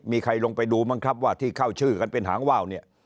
มีใครลงไปดูมั้งครับว่าที่เข้าชื่อกันเป็นหางว่าวเนี่ย